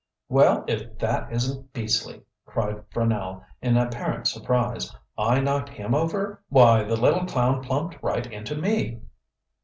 "Well, if that isn't beastly!" cried Franell, in apparent surprise. "I knocked him over! Why the little clown plumped right into me!